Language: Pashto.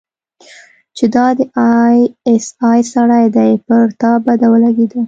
چې دا د آى اس آى سړى دى پر تا بده ولګېده.